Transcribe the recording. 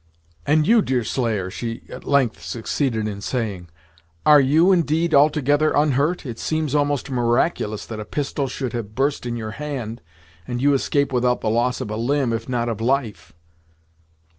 "And you, Deerslayer," she at length succeeded in saying "are you, indeed, altogether unhurt? It seems almost miraculous that a pistol should have burst in your hand, and you escape without the loss of a limb, if not of life!"